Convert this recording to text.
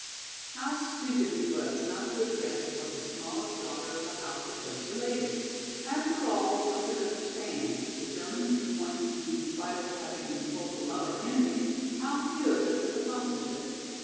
How stupid he was not to have guessed what the smallest daughter of the house had just related! After all one could understand, the German viewpoint since in spite of having been told to love our enemies, how few of us have accomplished it?